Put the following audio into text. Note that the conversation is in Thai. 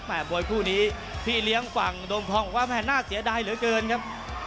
มวยคู่นี้พี่เลี้ยงฝั่งโดมทองบอกว่าแม่น่าเสียดายเหลือเกินครับ